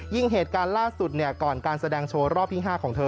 เหตุการณ์ล่าสุดก่อนการแสดงโชว์รอบที่๕ของเธอ